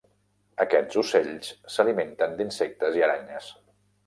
Aquests ocells s'alimenten d'insectes i aranyes.